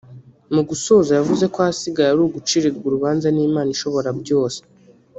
Mu gusoza yavuze ko ahasigaye ari ugucirirwa urubanza n’Imana ishobora byose